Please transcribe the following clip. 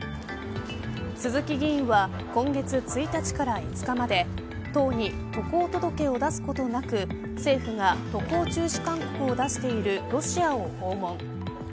鈴木議員は今月１日から５日まで党に渡航届けを出すことなく政府が渡航中止勧告を出しているロシアを訪問。